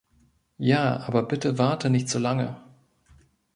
Ja, aber bitte warte nicht so lange.